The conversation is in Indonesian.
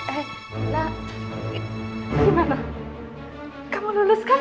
eh mak gimana kamu lulus kan ya